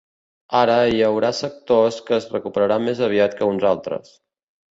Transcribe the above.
Ara, hi haurà sectors que es recuperaran més aviat que uns altres.